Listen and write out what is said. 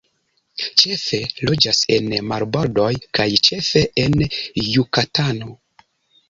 Ĉefe loĝas en marbordoj kaj ĉefe en Jukatano.